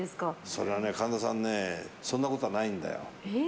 それはね、神田さんねそんなことはないんだよ。